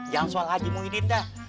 jangan soal aji muhyiddin dah